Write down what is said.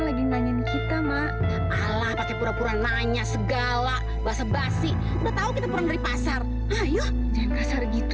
lagi nanya kita mah allah pake pura pura nanya segala bahasa basi tahu kita pun dari pasar